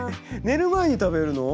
寝る前に食べるの？